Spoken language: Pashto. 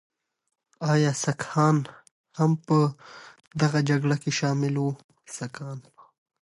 ایا سکهان هم په دغه جګړه کې شامل وو؟